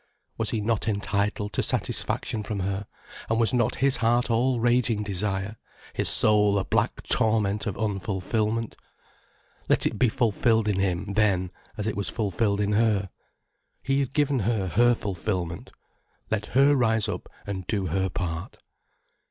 Was he not entitled to satisfaction from her, and was not his heart all raging desire, his soul a black torment of unfulfilment. Let it be fulfilled in him, then, as it was fulfilled in her. He had given her her fulfilment. Let her rise up and do her part.